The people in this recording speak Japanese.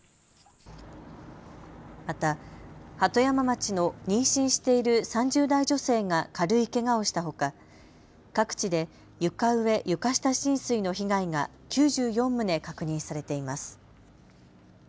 また鳩山町の妊娠している３０代女性が軽いけがをしたほか各地で床上・床下浸水の被害が９４棟確認されています。